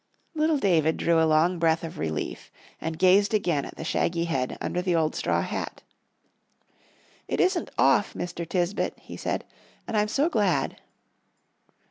Little David drew a long breath of relief, and gazed again at the shaggy head under the old straw hat. "It isn't off, Mr. Tisbett," he said, "and I'm so glad."